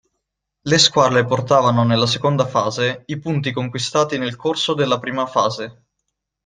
Le squadre portavano nella seconda fase i punti conquistati nel corso della prima fase.